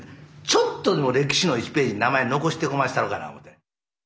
ちょっとでも歴史の１ページに名前残してこましたろうかな思うて。